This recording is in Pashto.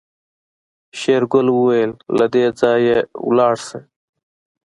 شېرګل وويل له دې ځايه لاړه شه.